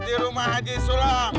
di rumah haji sulaw